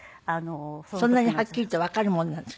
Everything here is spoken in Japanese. そんなにはっきりとわかるもんなんですか？